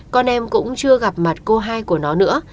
con em cũng chưa gặp mặt cô hai của nó nữa